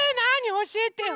おしえてよ！